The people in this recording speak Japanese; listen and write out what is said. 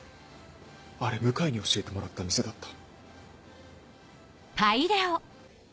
あれ向井に教えてもらった店だった。